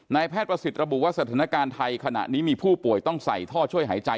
แพทย์ประสิทธิ์ระบุว่าสถานการณ์ไทยขณะนี้มีผู้ป่วยต้องใส่ท่อช่วยหายใจ